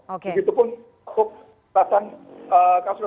begitupun pasang kasus kasus yang lain nggak ada kita